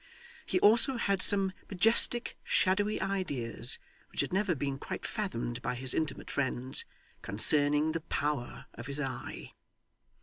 He also had some majestic, shadowy ideas, which had never been quite fathomed by his intimate friends, concerning the power of his eye.